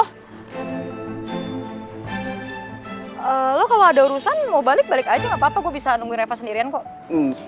eh lo kalo ada urusan mau balik balik aja gapapa gue bisa nungguin reva sendirian kok